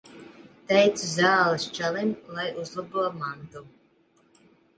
Teicu zāles čalim, lai uzlabo mantu.